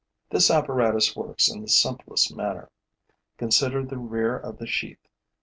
This apparatus works in the simplest manner. Consider the rear of the sheath.